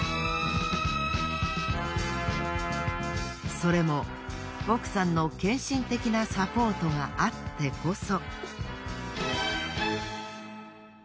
それも奥さんの献身的なサポートがあってこそ。